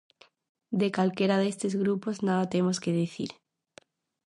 De calquera destes grupos nada temos que dicir.